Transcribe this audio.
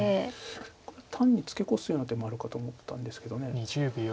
単にツケコすような手もあるかと思ったんですけど。